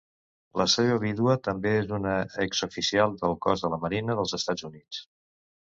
La seva vídua també és una exoficial del cos de la Marina dels Estats Units.